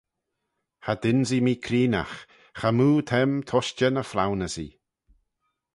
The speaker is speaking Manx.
Cha dynsee mee creenaght, chamoo t'aym tushtey ny flaunyssee.